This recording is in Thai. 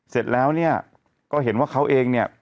เสร็จแล้วเนี่ยก็เห็นว่าเขาเองเนี่ย